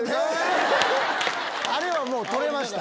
あれはもうとれました。